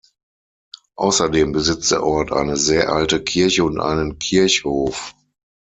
Außerdem besitzt der Ort eine sehr alte Kirche und einen Kirchhof.